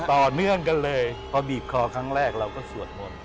ต่อเนื่องกันเลยพอบีบคอครั้งแรกเราก็สวดมนต์